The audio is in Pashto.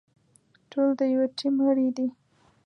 ټول د يوه ټيم غړي دي.